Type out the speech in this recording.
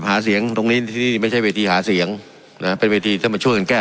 หาเสียงตรงนี้ที่นี่ไม่ใช่เวทีหาเสียงนะเป็นเวทีต้องมาช่วยกันแก้